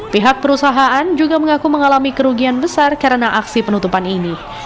pihak perusahaan juga mengaku mengalami kerugian besar karena aksi penutupan ini